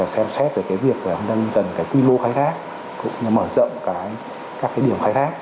xem xét việc nâng dần quy mô khai thác mở rộng các điểm khai thác